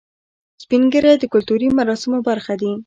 سپین ږیری د کلتوري مراسمو برخه دي